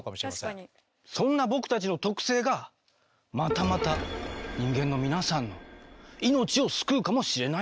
そんな僕たちの特性がまたまた人間の皆さんの命を救うかもしれないんだＧ。